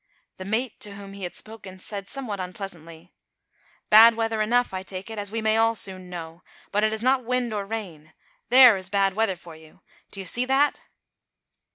The mate, to whom he had spoken, said somewhat unpleasantly, "Bad weather enough, I take it, as we may all soon know; but it is not wind or rain. There is bad weather for you! Do you see that?"